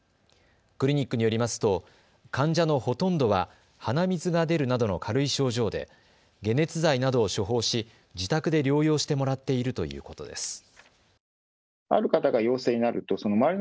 クリニックによりますと患者のほとんどは鼻水が出るなどの軽い症状で解熱剤などを処方し自宅で療養してもらっているということです。